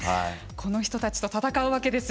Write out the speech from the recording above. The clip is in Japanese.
この人たちと戦うわけです。